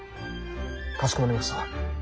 かしこまりました。